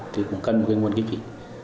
thì cũng cần một cái nguồn kích phí